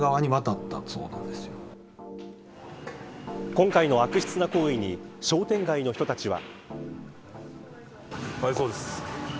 今回の悪質な行為に商店街の人たちは。